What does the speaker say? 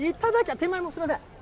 手前も、すみません。